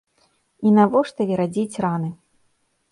І навошта верадзіць раны?